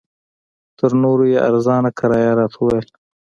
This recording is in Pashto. تر نورو یې ارزانه کرایه راته وویل.